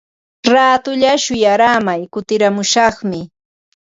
Raatulla shuyaaramay kutiramushaqmi.